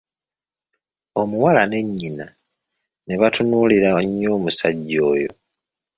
Omuwala ne nnyina ne batunuulira nnyo omusajja oyo.